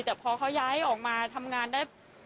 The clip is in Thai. แต่พอเขาย้ายออกมาทำงานได้